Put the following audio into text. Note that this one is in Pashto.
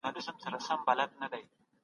ټپي لاسونه احتیاط غواړي.